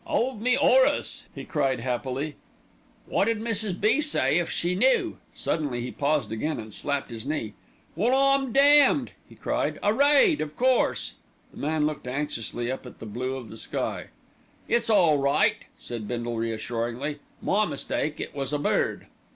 "'Old me, 'Orace!" he cried happily. "Wot 'ud Mrs. B. say if she knew." Suddenly he paused again, and slapped his knee. "Well, I'm damned!" he cried. "A raid, of course." The man looked anxiously up at the blue of the sky. "It's all right," said Bindle reassuringly. "My mistake; it was a bird."